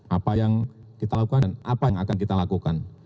apa yang kita lakukan dan apa yang akan kita lakukan